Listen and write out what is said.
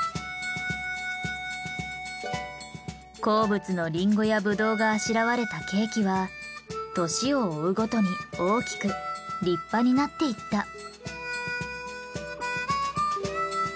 好物のリンゴやブドウがあしらわれたケーキは年を追うごとに大きく立派になっていった。